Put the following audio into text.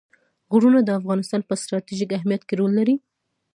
غرونه د افغانستان په ستراتیژیک اهمیت کې رول لري.